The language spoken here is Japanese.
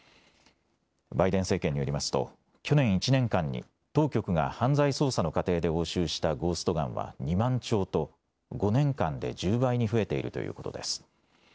バイデン政権によりますと去年１年間に当局が犯罪捜査の過程で押収したゴースト・ガンは２万丁と５年間で１０倍に増えているということです。